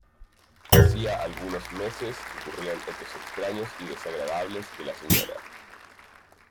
Hacía algunos meses que ocurrían hechos extraños y desagradables que la Sra.